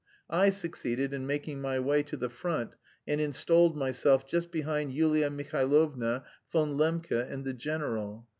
I succeeded in making my way to the front and installed myself just behind Yulia Mihailovna, Von Lembke, and the general.